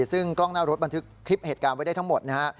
ซึ่งกล้องหน้ารถบันทึกคลิปเหตุการณ์ไว้ได้ทั้งหมดนะฮะ